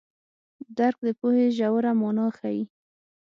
درک د پوهې ژوره مانا ښيي.